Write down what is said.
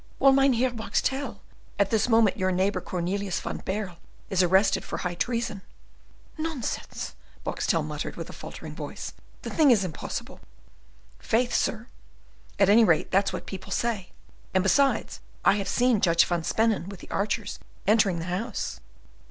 "Well, Mynheer Boxtel, at this moment your neighbour Cornelius van Baerle is arrested for high treason." "Nonsense!" Boxtel muttered, with a faltering voice; "the thing is impossible." "Faith, sir, at any rate that's what people say; and, besides, I have seen Judge van Spennen with the archers entering the house."